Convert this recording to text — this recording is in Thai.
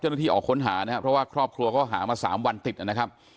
เจ้าหน้าที่ออกค้นหานะครับเพราะว่าครอบครัวก็หามาสามวันติดนะครับ